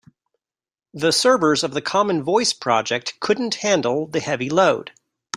The servers of the common voice project couldn't handle the heavy load.